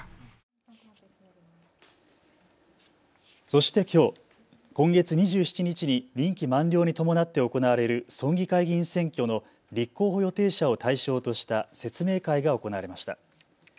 そしてきょう、今月２７日に任期満了に伴って行われる村議会議員選挙の立候補予定者を対象とした説明会が行われました。